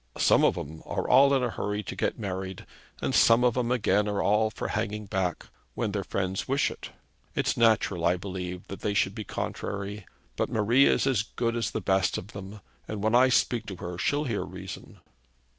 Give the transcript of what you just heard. Some of 'em are all in a hurry to get married, and some of 'em again are all for hanging back, when their friends wish it. It's natural, I believe, that they should be contrary. But Marie is as good as the best of them, and when I speak to her, she'll hear reason.'